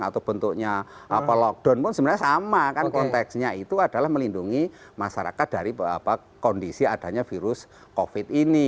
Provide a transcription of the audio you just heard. atau bentuknya lockdown pun sebenarnya sama kan konteksnya itu adalah melindungi masyarakat dari kondisi adanya virus covid ini